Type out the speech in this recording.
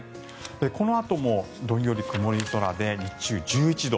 このあともどんより曇り空で日中、１１度。